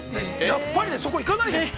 ◆やっぱりね、そこ行かないですよ。